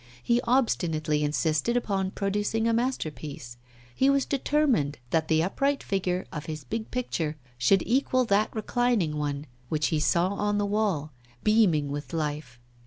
He obstinately insisted upon producing a masterpiece; he was determined that the upright figure of his big picture should equal that reclining one which he saw on the wall, beaming with life.